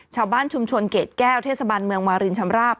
ชาวบ้านชุมชนเกรดแก้วเทศบาลเมืองวารินชำราบ